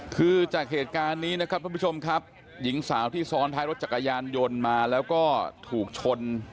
คือจากเหตุการณ์นี้นะครับทุกผู้ชมครับหญิงสาวที่ซ้อนท้ายรถจักรยานยนต์มาแล้วก็ถูกชน